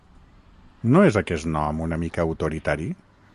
No és aquest nom una mica autoritari?